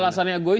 itu alasannya gue